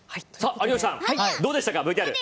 有吉さん、どうでしたかＶＴＲ。